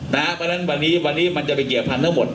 เพราะฉะนั้นวันนี้วันนี้มันจะไปเกี่ยวพันธุ์หมด